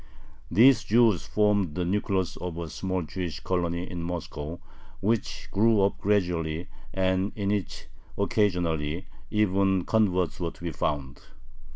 These Jews formed the nucleus of a small Jewish colony in Moscow, which grew up gradually, and in which occasionally even converts were to be found.